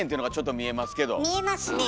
見えますねえ。